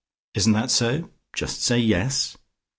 Isn't that so? Just say 'yes.'"